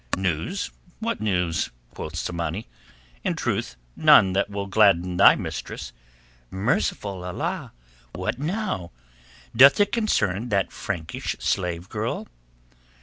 "News? What news?" quoth Tsamanni. "In truth none that will gladden thy mistress." "Merciful Allah! What now? Doth it concern that Frankish slave girl?"